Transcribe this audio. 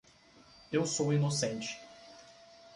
Eu sou inocente.